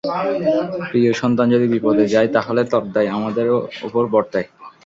প্রিয় সন্তান যদি বিপথে যায়, তাহলে তার দায় আমাদের ওপর বর্তায়।